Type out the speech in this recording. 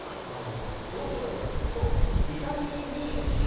どうすればいいかっていうと。